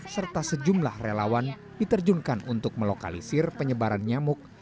serta sejumlah relawan diterjunkan untuk melokalisir penyebaran nyamuk